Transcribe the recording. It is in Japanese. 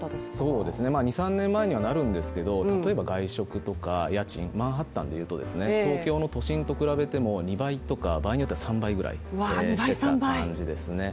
そうですね、２３年前にはなるんですけど例えば外食とか家賃、マンハッタンでいうと東京の都心と比べると２倍とか、場合によっては３倍ぐらいしていた感じですね。